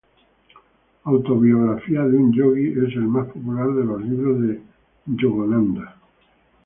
Autobiografía de un Yogui es el más popular de los libros de Yogananda.